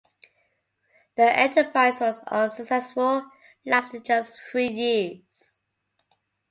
The enterprise was unsuccessful, lasting just three years.